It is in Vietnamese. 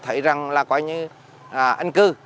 thấy rằng là quả như anh cư